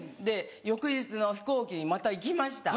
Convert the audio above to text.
翌日の飛行機にまた行きました。